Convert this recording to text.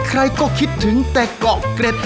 ใครก็คิดถึงแต่เกาะเกร็ด